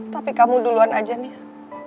tapi kamu duluan aja nis